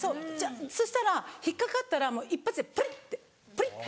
そしたら引っかかったらもう一発でポリってポリって。